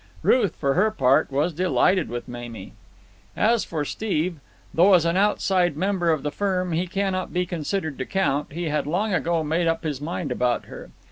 Ruth, for her part, was delighted with Mamie. As for Steve, though as an outside member of the firm he cannot be considered to count, he had long ago made up his mind about her.